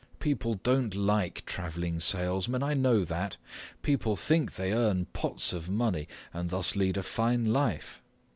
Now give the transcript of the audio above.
People don't like travelling salesmen. I know that. People think they earn pots of money and thus lead a fine life.